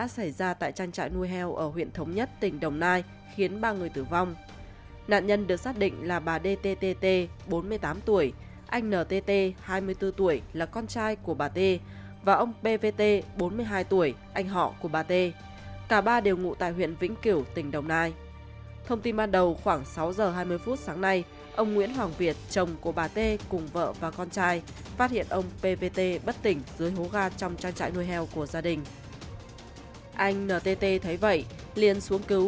xin chào và hẹn gặp lại các bạn trong những video tiếp theo